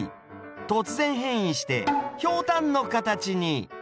突然変異してひょうたんの形に。